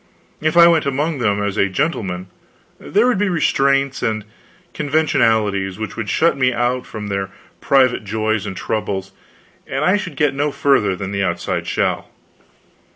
If I went among them as a gentleman, there would be restraints and conventionalities which would shut me out from their private joys and troubles, and I should get no further than the outside shell.